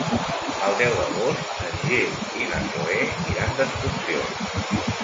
El deu d'agost en Gil i na Zoè iran d'excursió.